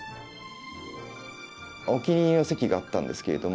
お気に入りの席があったんですけれども。